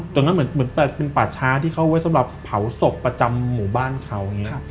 แต่งั้นเหมือนเป็นปากช้าที่เข้าไว้สำหรับเผาศพประจำหมู่บ้านเขา